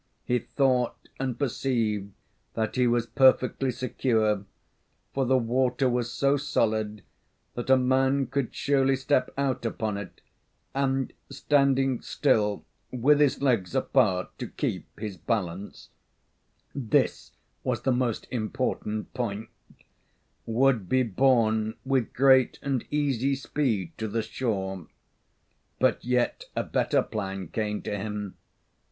He thought and perceived that he was perfectly secure, for the water was so solid that a man could surely step out upon it, and, standing still with his legs apart to keep his balance this was the most important point would be borne with great and easy speed to the shore. But yet a better plan came to him.